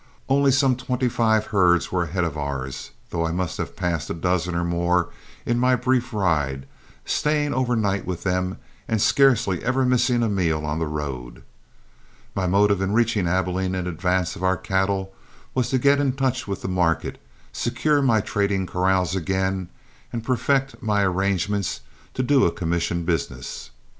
Only some twenty five herds were ahead of ours, though I must have passed a dozen or more in my brief ride, staying over night with them and scarcely ever missing a meal on the road. My motive in reaching Abilene in advance of our cattle was to get in touch with the market, secure my trading corrals again, and perfect my arrangements to do a commission business.